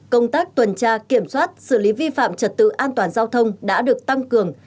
công tác tuần tra kiểm soát xử lý vi phạm trật tự an toàn giao thông đã được tăng cường